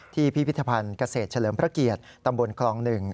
พิพิธภัณฑ์เกษตรเฉลิมพระเกียรติตำบลคลอง๑